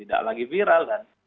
tidak lagi viral kan